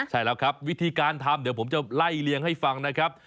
ใช่แล้วครับวิธีการทำเดี๋ยวผมจะไล่เลี่ยงให้ฟังนะครับ